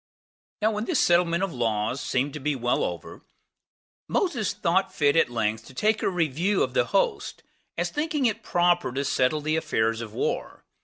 4. Now when this settlement of laws seemed to be well over, Moses thought fit at length to take a review of the host, as thinking it proper to settle the affairs of war.